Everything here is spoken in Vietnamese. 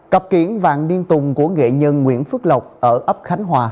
cặp kiển vạn niên tùng của nghệ nhân nguyễn phước lộc ở ấp khánh hòa